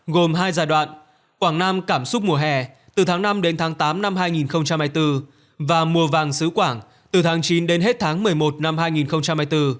gồm hai giai đoạn quảng nam cảm xúc mùa hè từ tháng năm đến tháng tám năm hai nghìn hai mươi bốn và mùa vàng xứ quảng từ tháng chín đến hết tháng một mươi một năm hai nghìn hai mươi bốn